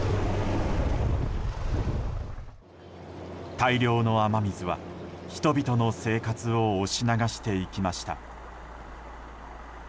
大量の雨水は、人々の生活を押し流していきました。